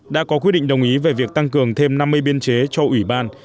đã có quyết định đồng ý về việc tăng cường thêm năm mươi biên chế cho ủy ban